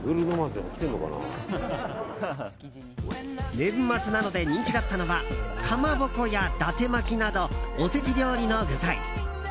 年末なので人気だったのはかまぼこや、だて巻きなどおせち料理の具材。